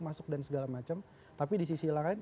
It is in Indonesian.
masuk dan segala macam tapi di sisi lain